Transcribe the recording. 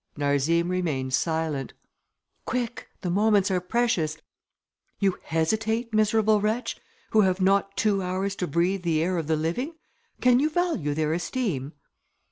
Narzim remained silent. "Quick! the moments are precious: you hesitate, miserable wretch, who have not two hours to breathe the air of the living? Can you value their esteem?"